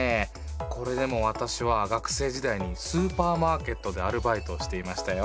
これでも私は学生時代にスーパーマーケットでアルバイトをしていましたよ。